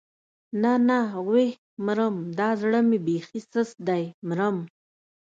نه نه ويح مرم دا زړه مې بېخي سست دی مرم.